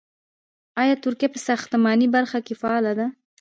آیا ترکیه په ساختماني برخه کې فعاله ده؟